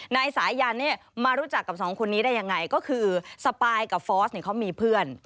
นายสายันมารู้จักกับสองคนนี้ได้อย่างไรก็คือสปายกับฟอสเขามีเพื่อน